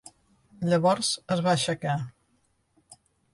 Llavors es va aixecar.